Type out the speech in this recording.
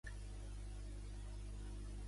Més sec que un abadejo.